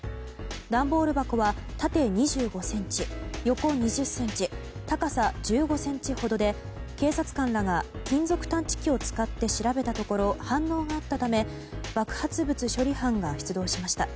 段ボール箱は、縦２５ｃｍ横２０ｃｍ、高さ１５ｃｍほどで警察官らが金属探知機を使って調べたところ反応があったため爆発物処理班が出動しました。